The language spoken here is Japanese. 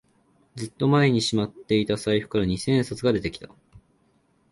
ずっと前にしまっていた財布から二千円札が出てきた